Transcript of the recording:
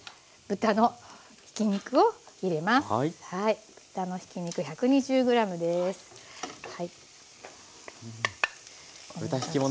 豚のひき肉１２０ｇです。